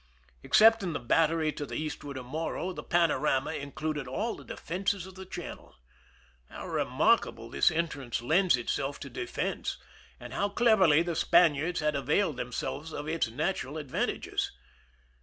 Ex cepting the batteiy to the eastward of Morro, the panorama included all the defenses of the channel. How remarkably this entrance lends itself to de fense, and how cleverly the Spaniards had availed themselves of its natm^al advantages